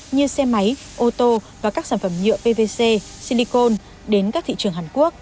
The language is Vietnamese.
như xe máy ô tô và các sản phẩm nhựa pvc silicon đến các thị trường hàn quốc